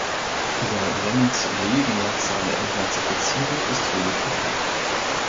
Über Lennings Leben nach seiner Entnazifizierung ist wenig bekannt.